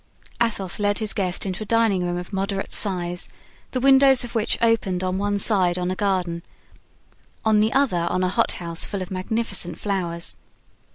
Athos led his guest into a dining room of moderate size, the windows of which opened on one side on a garden, on the other on a hot house full of magnificent flowers.